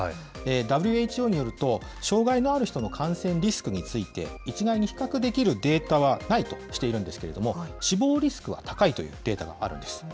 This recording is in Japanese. ＷＨＯによると障害のある人の感染リスクについて、一概に比較できるデータはないとしているんですけれども、死亡リスクは高いというデータがあるんです。